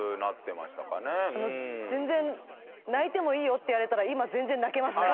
全然泣いてもいいよって言われたら今全然泣けますね。